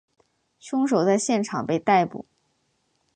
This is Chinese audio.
凶手在现场被逮捕。